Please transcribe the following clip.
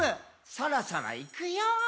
「そろそろいくよー」